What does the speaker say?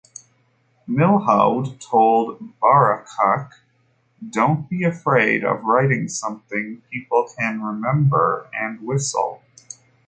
Milhaud told Bacharach, Don't be afraid of writing something people can remember and whistle.